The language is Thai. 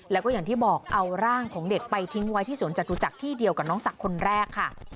แล้วก็อย่างที่บอกเอาร่างของเด็กไปทิ้งไว้ที่สวนจตุจักรที่เดียวกับน้องศักดิ์คนแรกค่ะ